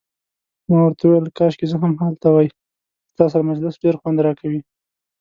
ما ورته وویل: کاشکي زه هم هلته وای، ستا سره مجلس ډیر خوند راکوي.